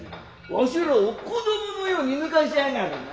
わしらを子供のように吐しやァがるな。